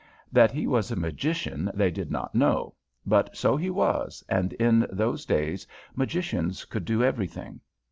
"That he was a magician they did not know, but so he was, and in those days magicians could do everything.